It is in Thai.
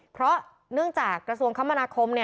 เพราะเนื่องจากกระทรวงคมนาคม